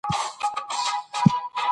داستاني ادبیات څېړل سوي دي.